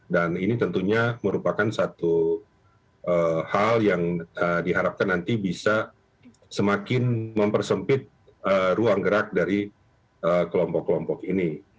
dan ini tentunya merupakan satu hal yang diharapkan nanti bisa semakin mempersempit ruang gerak dari kelompok kelompok ini